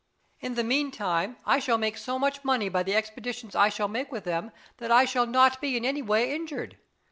In the meantime I shall make so much money by the expeditions I shall make with them that I shall not be in any way injured.